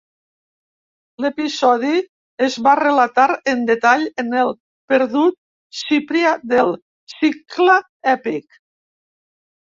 L'episodi es va relatar en detall en el perdut "Cipria", del Cicle Èpic.